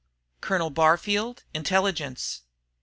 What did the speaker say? "Colonel Barfield, Intelligence?"